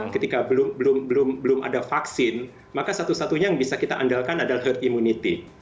ketika belum ada vaksin maka satu satunya yang bisa kita andalkan adalah herd immunity